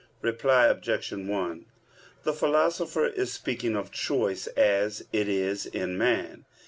Reply Obj. 1: The Philosopher is speaking of choice, as it is in man.